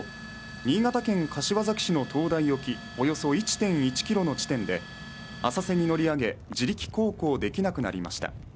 新潟県柏崎市の灯台沖およそ１．１ｋｍの地点で浅瀬に乗り上げ自力航行できなくなりました